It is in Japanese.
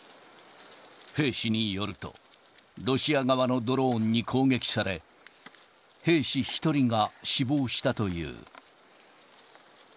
兵士によると、ロシア側のドローンに攻撃され、兵士１人が死亡したという。